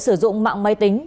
sử dụng mạng máy tính